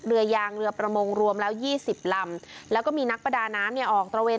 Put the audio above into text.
เรือยางเรือประมงรวมแล้วยี่สิบลำแล้วก็มีนักประดาน้ำเนี่ยออกตระเวน